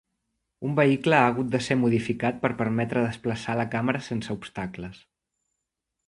Un vehicle ha hagut de ser modificat per permetre desplaçar la càmera sense obstacles.